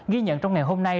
ghi nhận trong ngày hôm nay